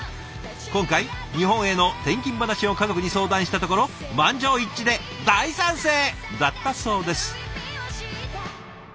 今回日本への転勤話を家族に相談したところ満場一致で「大賛成！」だったそうです。